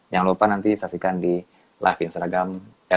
jangan lupa nanti saksikan di live instagram